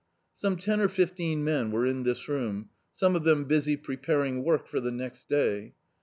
Some ten or fifteen men were in this ronii, some of them busy preparing work for the next day.